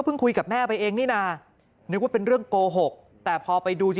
คุยกับแม่ไปเองนี่นะนึกว่าเป็นเรื่องโกหกแต่พอไปดูจะ